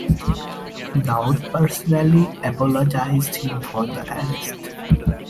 Daoud personally apologized to him for the arrest.